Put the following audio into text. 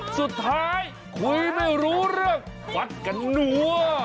สุดท้ายคุยไม่รู้เรื่องฟัดกันนัว